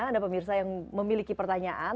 anda pemirsa yang memiliki pertanyaan